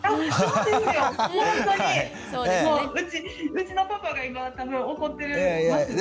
うちのパパが今多分怒ってますね。